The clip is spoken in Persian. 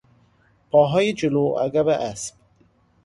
پاهای جلو و عقب اسب